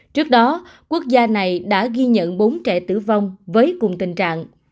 trước đó quốc gia này đã ghi nhận bốn trẻ tử vong với cùng tình trạng